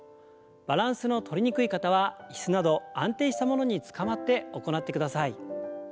バランスのとりにくい方は椅子など安定したものにつかまって行ってください。